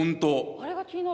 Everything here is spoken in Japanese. あれが気になる。